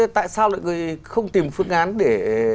tại sao lại người không tìm phương án để